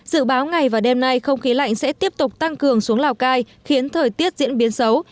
dự báo ngày và đêm nay không khí lạnh sẽ tiếp tục tăng cường xuống lào cai khiến thời tiết diễn biến xấu